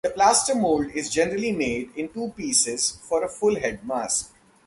The plaster mold is generally made in two-pieces for a full-head mask.